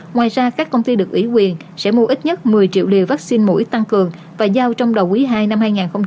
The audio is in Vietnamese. ngoài ra các công ty được ủy quyền sẽ mua ít nhất một mươi triệu liều vaccine mũi tăng cường và giao trong đầu quý ii năm hai nghìn hai mươi